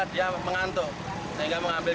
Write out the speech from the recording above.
dia mengantuk sehingga mengambil